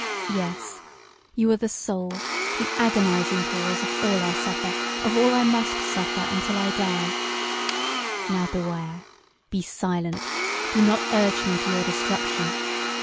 Yes, you are the sole, the agonizing cause of all I suffer, of all I must suffer untill I die. Now, beware! Be silent! Do not urge me to your destruction.